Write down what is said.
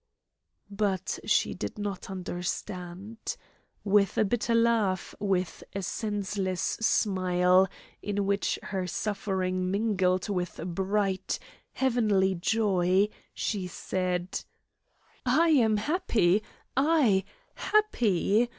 But she did not understand. With a bitter laugh, with a senseless smile, in which her suffering mingled with bright, heavenly joy, she said: "I am happy! I happy!